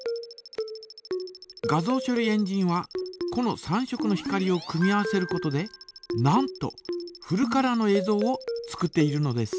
画像処理エンジンはこの３色の光を組み合わせることでなんとフルカラーのえいぞうを作っているのです。